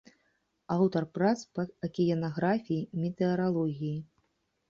Аўтар прац па акіянаграфіі, метэаралогіі.